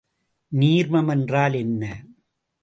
நீர்மம் என்றால் என்ன?